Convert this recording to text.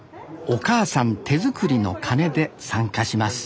お母さん手作りのカネで参加します